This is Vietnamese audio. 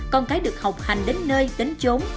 con cái được học hành đến nơi tính chốn